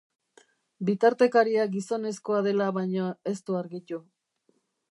Bitartekaria gizonezkoa dela baino ez du argitu.